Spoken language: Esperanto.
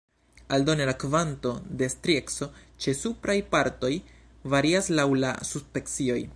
Aldone, la kvanto de strieco ĉe supraj partoj varias laŭ la subspecioj.